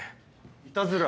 いたずら？